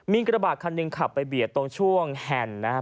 มีกระบาดคันหนึ่งขับไปเบียดตรงช่วงแห่นนะครับ